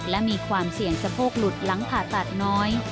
และมีความเสี่ยงสะโพกหลุดหลังผ่าตัดน้อย